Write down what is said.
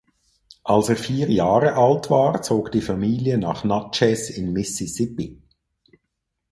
Als er vier Jahre alt war, zog die Familie nach Natchez in Mississippi.